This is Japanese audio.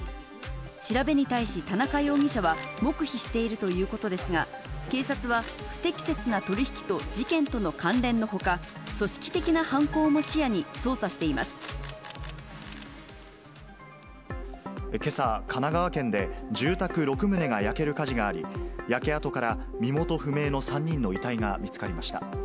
調べに対し、田中容疑者は黙秘しているということですが、警察は不適切な取り引きと事件との関連のほか、組織的な犯行も視けさ、神奈川県で、住宅６棟が焼ける火事があり、焼け跡から身元不明の３人の遺体が見つかりました。